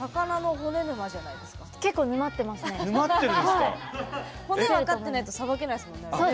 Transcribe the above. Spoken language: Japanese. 骨、分かってないとさばけないですもんね。